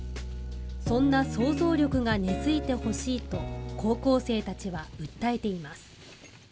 そんな想像力が根付いてほしいと、高校生たちは訴えています。